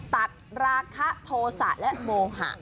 ตัดราคาโทษะและโมหะ